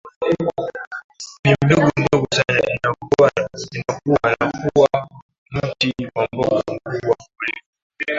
ni mbegu ndogo sana inakua na kuwa mti wa mboga mkubwa kuliko